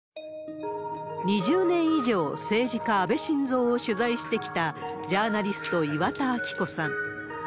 ２０年以上、政治家、安倍晋三を取材してきたジャーナリスト、岩田明子さん。